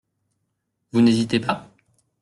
Vous n'hésitez pas?